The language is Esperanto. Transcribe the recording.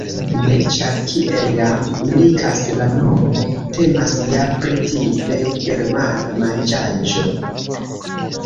Ne, ĉar kiel jam indikas la nomo, temas ja pri tipe germana manĝaĵo.